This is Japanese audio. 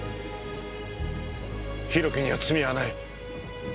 博貴には罪はない。